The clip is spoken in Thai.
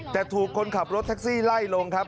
แต่ถูกคนขับรถแท็กซี่ไล่ลงครับ